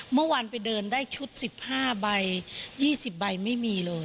เมื่อวานไปเดินได้ชุด๑๕ใบ๒๐ใบไม่มีเลย